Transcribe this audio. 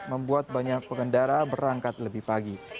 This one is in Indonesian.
membuat banyak pengendara berangkat lebih pagi